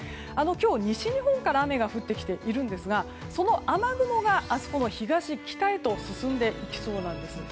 今日、西日本から雨が降ってきているわけですがその雨雲が明日、東、北へと進んでいきそうなんです。